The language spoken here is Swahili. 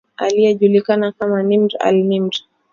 aliyejulikana kama Nimr al Nimr